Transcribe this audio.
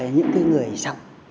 những người sống